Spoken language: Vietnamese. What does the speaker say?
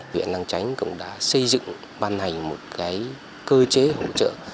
huyện lăng chánh cũng đã xây dựng ban hành một cơ chế hỗ trợ